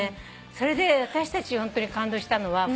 それで私たちホントに感動したのは。